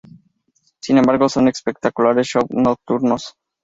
Sin embargo son espectaculares shows nocturnos.